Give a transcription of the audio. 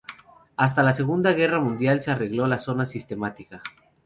Hasta la Segunda Guerra Mundial se arregló la zona sistemática.